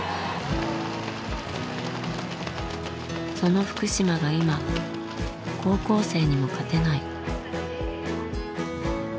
その福島が今高校生にも勝てない。